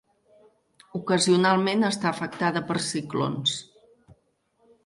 Ocasionalment està afectada per ciclons.